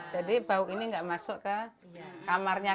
jadi bau ini gak masuk ke kamarnya